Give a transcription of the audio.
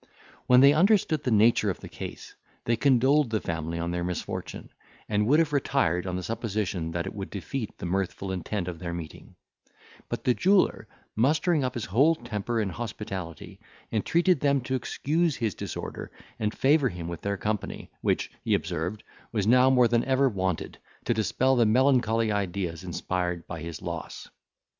When they understood the nature of the case, they condoled the family on their misfortune, and would have retired, on the supposition that it would defeat the mirthful intent of their meeting; but the jeweller, mustering up his whole temper and hospitality, entreated them to excuse his disorder, and favour him with their company, which, he observed, was now more than ever wanted, to dispel the melancholy ideas inspired by his loss.